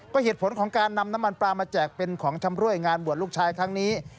ก็เหตุผลของการนำน้ำมันปลามาแจกเป็นของชำรวยงานบวชลูกชายครั้งนี้